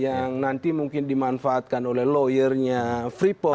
jadi itu adalah bagi kita yang nanti dimanfaatkan oleh lawyernya freeport ini